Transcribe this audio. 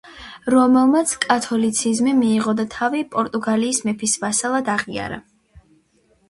რომელმაც კათოლიციზმი მიიღო და თავი პორტუგალიის მეფის ვასალად აღიარა.